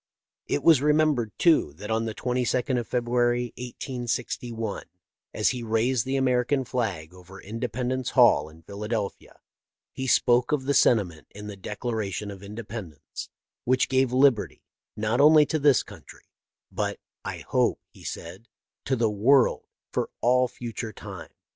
It was remembered, too, that on the 22d of Feb ruary, 1861, as he raised the American flag over Independence Hall, in Philadelphia, he spoke of the sentiment in the Declaration of Independence which gave liberty not only to this country, but, " I hope," he said, "to the world for all future time.